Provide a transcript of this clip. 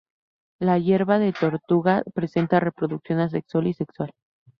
La Hierba tortuga presenta reproducción asexual y sexual.